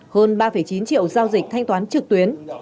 hơn ba chín triệu giao dịch thanh toán trực tuyến